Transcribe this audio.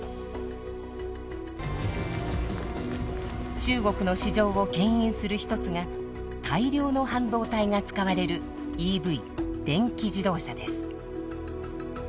中国の市場をけん引する一つが大量の半導体が使われるＥＶ電気自動車です。